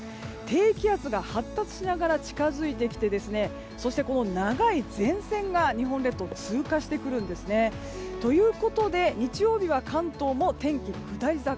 低気圧が発達しながら近づいてきてそして、長い前線が日本列島を通過してくるんですね。ということで日曜日は関東も天気下り坂。